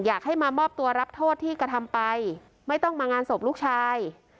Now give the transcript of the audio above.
อยากให้มามอบตัวรับโทษที่กระทำไปไม่ต้องมางานศพลูกชาย